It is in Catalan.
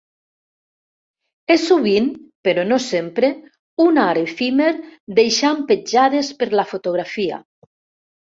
És sovint, però no sempre, un Art efímer deixant petjades per la fotografia.